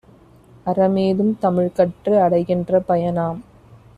அறமேதும் தமிழ்கற்று அடைகின்ற பயனாம்.